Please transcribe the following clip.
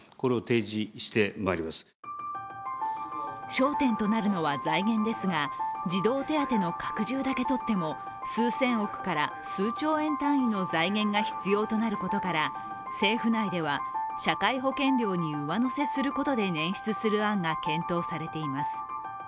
焦点となるのは財源ですが、児童手当の拡充だけとっても数千億から数兆円単位の財源が必要となることから政府内では、社会保険料に上乗せすることで捻出する案が検討されています。